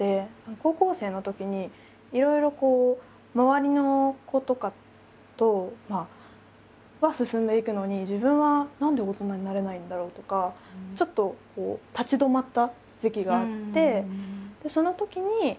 高校生のときにいろいろ周りの子とかは進んでいくのに自分は何で大人になれないんだろうとかちょっと立ち止まった時期があって。